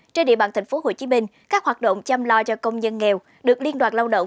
trên địa bàn tp hcm các hoạt động chăm lo cho công nhân nghèo được liên đoàn lao động